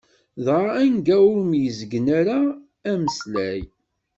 Dɣa anda ur myezgen ara ameslay.